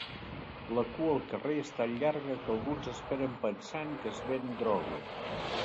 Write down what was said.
La cua al carrer és tan llarga que alguns esperen pensant que es ven droga.